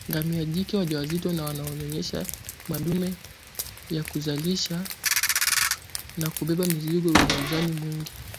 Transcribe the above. ngamia jike wajawazito na wanaonyonyesha madume ya kuzalisha na kubeba mizigo wenye uzani mwingi